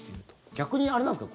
逆にあれなんですか？